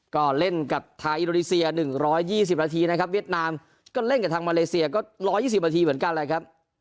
ก็เล่นกับไทยอินโดนีเซีย๑๒๐นาทีนะครับเวียดนามก็เล่นกับทางมาเลเซียก็๑๒๐นาทีเหมือนกันแหละครับ